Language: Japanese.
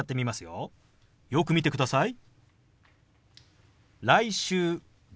よく見てください。